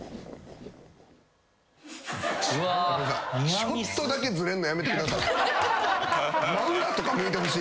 ちょっとだけずれんのやめてください。